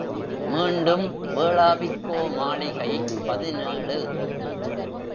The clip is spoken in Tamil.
மீண்டும் வேளாவிக்கோ மாளிகை பதினேழு.